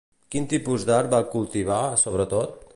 Quin tipus d'art va cultivar, sobretot?